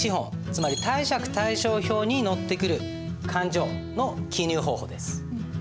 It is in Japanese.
つまり貸借対照表に載ってくる勘定の記入方法です。